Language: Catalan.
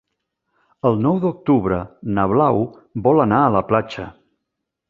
El nou d'octubre na Blau vol anar a la platja.